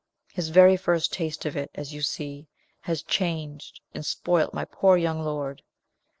His very first taste of it, as you see, has changed and spoilt my poor young lord.